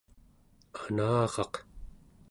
anaraq